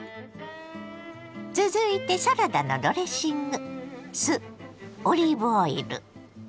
続いてサラダのドレッシング。